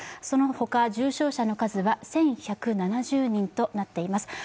そのほか重症者の数は１１７０人となっています。